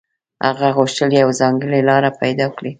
هغه غوښتل يوه ځانګړې لاره پيدا کړي.